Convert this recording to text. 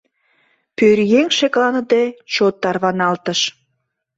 Пӧръеҥ шекланыде чот тарваналтыш.